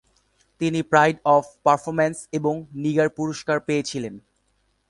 তিনি Pride of Performance এবং নিগার পুরস্কার পেয়েছিলেন।